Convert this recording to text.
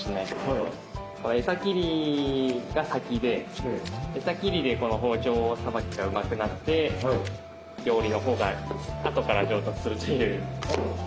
エサ切りが先でエサ切りでこの包丁さばきがうまくなって料理のほうがあとから上達するという。